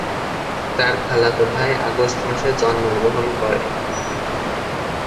তার খালাতো ভাই আগস্ট মাসে জন্মগ্রহণ করে।